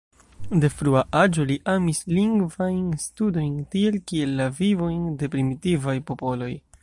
De frua aĝo li amis lingvajn studojn, tiel kiel la vivojn de primitivaj popoloj.